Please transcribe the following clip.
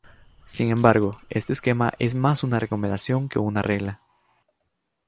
Sin embargo, este esquema es más una recomendación que una regla.